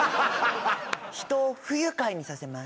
人を不愉快にさせます。